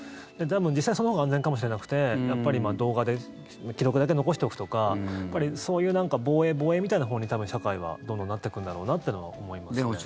多分、実際そのほうが安全かもしれなくてやっぱり今、動画で記録だけ残しておくとかそういう防衛、防衛みたいなほうに多分、社会はどんどんなっていくんだろうなというのは思いますね。